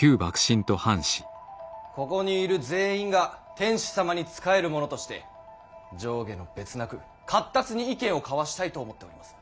ここにいる全員が天子様に仕える者として上下の別なく闊達に意見を交わしたいと思っております。